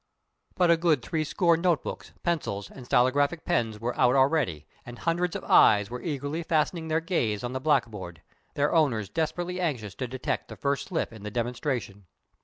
But a good threescore note books, pencils, and stylographic pens were out already, and hundreds of eyes were eagerly fastening their gaze on the black board, their owners desperately anxious to detect the first slip in the demonstration.